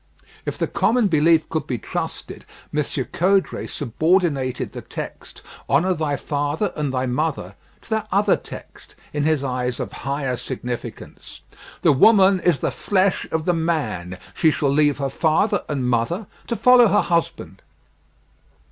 If the common belief could be trusted, M. Caudray subordinated the text, "Honour thy father and thy mother," to that other text, in his eyes of higher significance, "The woman is the flesh of the man. She shall leave her father and mother to follow her husband."